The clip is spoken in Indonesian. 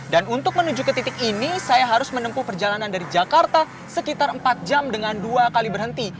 untuk menuju ke titik ini saya harus menempuh perjalanan dari jakarta sekitar empat jam dengan dua kali berhenti